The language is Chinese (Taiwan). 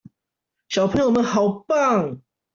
小朋友們好棒！